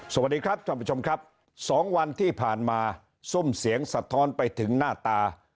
สวัสดีครับท่านผู้ชมครับ๒วันที่ผ่านมาซุ่มเสียงสะท้อนไปถึงหน้าตา